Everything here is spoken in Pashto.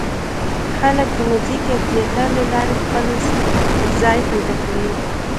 خلک د موزیک او تیاتر له لارې خپل ځای پیدا کوي.